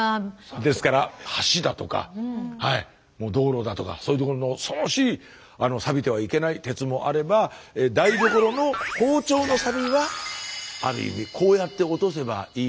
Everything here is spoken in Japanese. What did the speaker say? ですから橋だとかもう道路だとかそういう所の恐ろしいサビてはいけない鉄もあれば台所の包丁のサビはある意味こうやって落とせばいい。